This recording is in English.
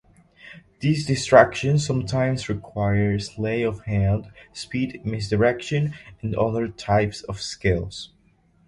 These distractions sometimes require sleight of hand, speed, misdirection and other types of skills.